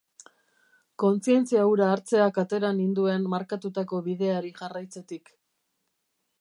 Kontzientzia hura hartzeak atera ninduen markatutako bideari jarraitzetik.